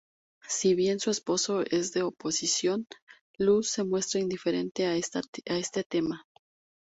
Si bien su esposo es de oposición, Luz se muestra indiferente a este tema.